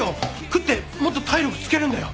食ってもっと体力つけるんだよ。